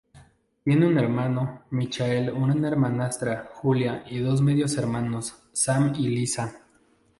Tiene un hermano, Michael, una hermanastra, Julia, y dos medios hermanos, Sam y Liza.